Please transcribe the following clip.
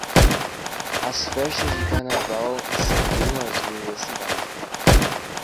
As festas de carnaval incendeiam as ruas da cidade.